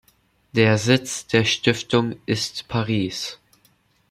Der Sitz der Stiftung ist Paris.